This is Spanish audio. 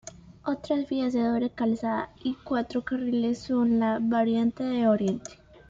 Otras vías de doble calzada y cuatro carriles son la Variante de Oriente.